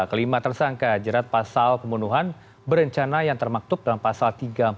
kelima tersangka jerat pasal pembunuhan berencana yang termaktub dalam pasal tiga ratus empat puluh